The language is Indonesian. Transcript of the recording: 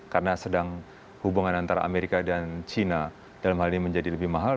karena sedang hubungan antara amerika dan china dalam hal ini menjadi lebih mahal